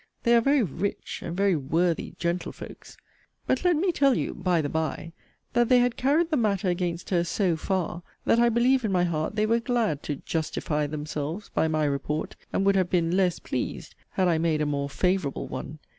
They are very 'rich' and 'very worthy' gentlefolks. But let me tell you, 'by the by,' that they had carried the matter against her 'so far,' that I believe in my heart they were glad to 'justify themselves' by 'my report'; and would have been 'less pleased,' had I made a 'more favourable one.'